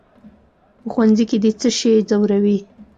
"په ښوونځي کې دې څه شی ځوروي؟"